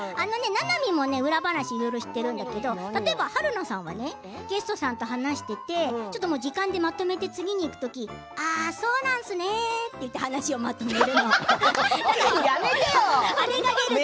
ななみも裏話知ってるんだけど例えば春菜さんはゲストさんと話をしていて時間でまとめて次にいくときにああーそうなんすねーで話をまとめるの。